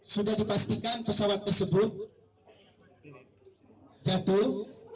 sudah dipastikan pesawat tersebut jatuh